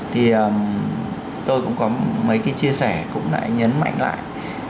thì tôi cũng có mấy cái chia sẻ cũng lại nhấn mạnh lại